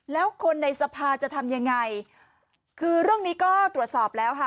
แล้วคนในสภาจะทำยังไงคือเรื่องนี้ก็ตรวจสอบแล้วค่ะ